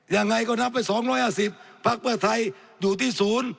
ยังไงก็นั้นไป๒๕๐ภักร์เพื่อใทยอยู่ที่๑๐